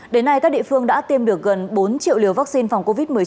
đến nay các địa phương đã tiêm được gần bốn triệu liều vaccine phòng covid một mươi chín